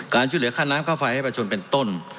ช่วยเหลือค่าน้ำค่าไฟให้ประชนเป็นต้น